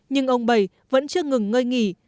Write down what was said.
nhưng ông bảy vẫn chưa ngừng ngơi nghỉ